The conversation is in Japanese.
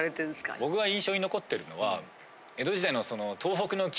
僕が印象に残ってるのは。